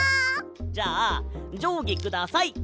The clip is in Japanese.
じゃあじょうぎください！